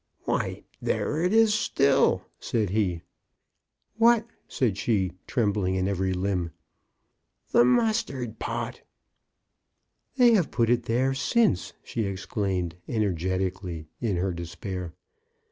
" Why, there it is still !" said he. What?" said she, trembling in every limb. *'The mustard pot." '* They have put it in there since," she ex claimed, energetically, in her despair.